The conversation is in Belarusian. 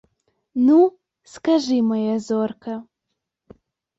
Ну, скажы, мая зорка!